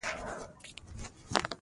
د سهار لمونځ مو اداء کړ.